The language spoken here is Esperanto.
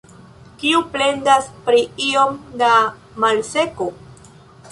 Kiu plendas pri iom da malseko?